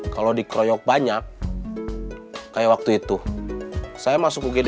kalau dikroyok banyak kayak waktu itu saya masuk ugd